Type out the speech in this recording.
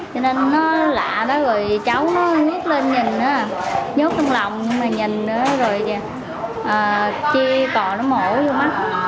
cho nên nó lạ đó rồi cháu nó nhét lên nhìn đó nhốt trong lòng nhưng mà nhìn đó rồi chia cò nó mổ vô mắt